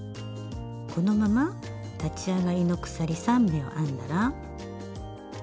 このまま立ち上がりの鎖３目を編んだら。